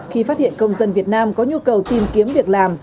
khi phát hiện công dân việt nam có nhu cầu tìm kiếm việc làm